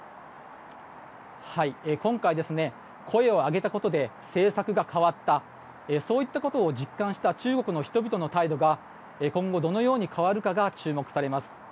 今回、声を上げたことで政策が変わったそういったことを実感した中国の人々の態度が今後どのように変わるかが注目されます。